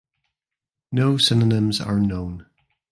No synonyms are known.